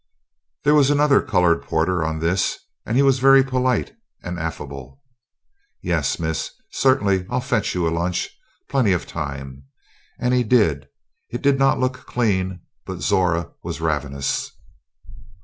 There was another colored porter on this, and he was very polite and affable. "Yes, Miss; certainly I'll fetch you a lunch plenty of time." And he did. It did not look clean but Zora was ravenous.